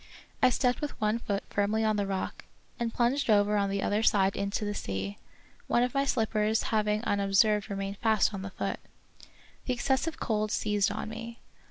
I stepped with one foot firmly on the rock, and plunged over on the other side into the sea, one of my slippers having unobserved remained fast on the foot. The excessive cold seized on me.